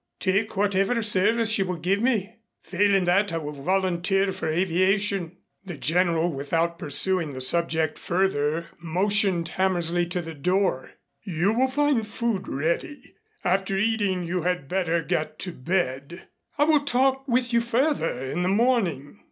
"Take whatever service you will give me. Failing that I will volunteer for aviation." The General, without pursuing the subject further, motioned Hammersley to the door. "You will find food ready. After eating you had better get to bed. I will talk with you further in the morning."